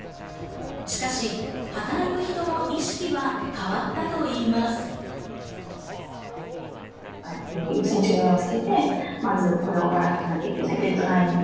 しかし、働く人の意識は変わったといいます。